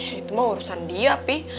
ya itu mah urusan dia pi